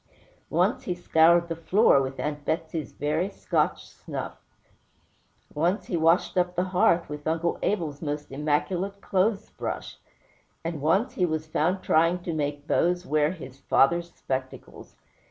Once he scoured the floor with Aunt Betsey's very Scotch snuff; once he washed up the hearth with Uncle Abel's most immaculate clothes brush; and once he was found trying to make Bose wear his father's spectacles.